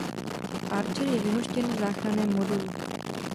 Archer je vyhoštěn v záchranném modulu.